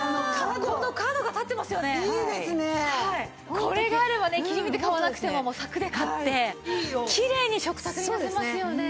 これがあればね切り身で買わなくてももう柵で買ってきれいに食卓に出せますよね。